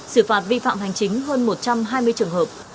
xử phạt vi phạm hành chính hơn một trăm hai mươi trường hợp